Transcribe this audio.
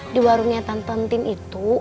di warungnya tante entin itu